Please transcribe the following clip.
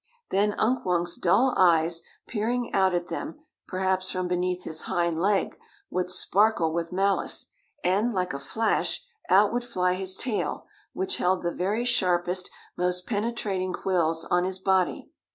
Then Unk Wunk's dull eyes, peering out at them, perhaps, from beneath his hind leg, would sparkle with malice, and, like a flash, out would fly his tail, which held the very sharpest, most penetrating quills on his body.